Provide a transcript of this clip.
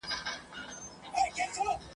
له منګولو او له زامي د زمریو !.